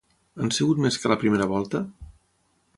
Han sigut més que a la primera volta?